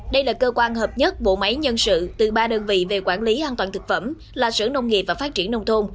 đây là cơ quan hợp nhất bộ máy nhân sự từ ba đơn vị về quản lý an toàn thực phẩm là sở nông nghiệp và phát triển nông thôn